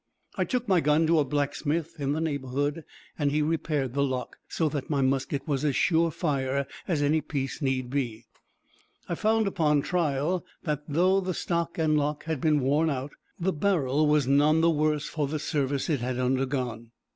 I took my gun to a blacksmith in the neighborhood, and he repaired the lock, so that my musket was as sure fire as any piece need be. I found upon trial that though the stock and lock had been worn out, the barrel was none the worse for the service it had undergone.